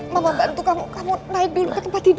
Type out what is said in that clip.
mama bantu nih kamu naik ke tempat tidur